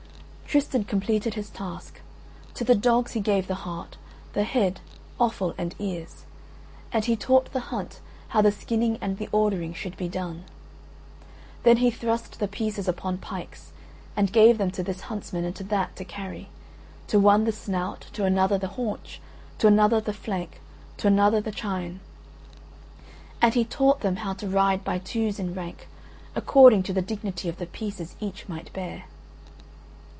Tristan completed his task; to the dogs he gave the heart, the head, offal and ears; and he taught the hunt how the skinning and the ordering should be done. Then he thrust the pieces upon pikes and gave them to this huntsman and to that to carry, to one the snout to another the haunch to another the flank to another the chine; and he taught them how to ride by twos in rank, according to the dignity of the pieces each might bear.